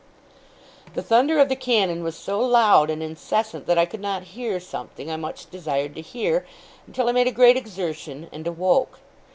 The thunder of the cannon was so loud and incessant, that I could not hear something I much desired to hear, until I made a great exertion and awoke.